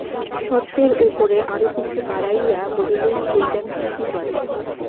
সত্যের উপরে আরও কিছু বাড়াইয়া বলিলেই সে যেন খুশি হয়।